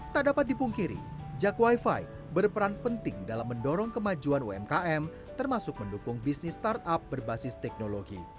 tak dapat dipungkiri jak wifi berperan penting dalam mendorong kemajuan umkm termasuk mendukung bisnis startup berbasis teknologi